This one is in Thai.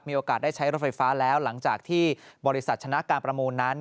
ได้ใช้รถไฟฟ้าแล้วหลังจากที่บริษัทชนะการประมูลนั้น